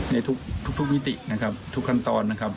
ในทุกมิตินะครับทุกขั้นตอนนะครับ